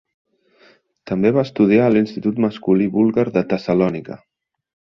També va estudiar a l'Institut Masculí Búlgar de Tessalònica.